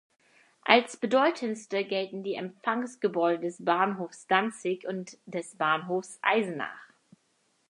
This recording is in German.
Als bedeutendste gelten die Empfangsgebäude des Bahnhofs Danzig und des Bahnhofs Eisenach.